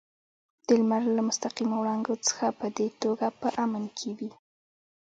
د لمر له مستقیمو وړانګو څخه په دې توګه په امن کې وي.